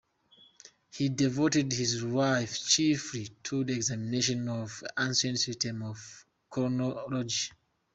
He devoted his life chiefly to the examination of ancient systems of chronology.